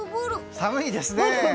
寒いですね！